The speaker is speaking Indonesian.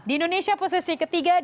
di indonesia posisi ke tiga adalah tenggara